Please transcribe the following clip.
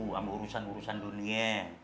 sama urusan urusan dunia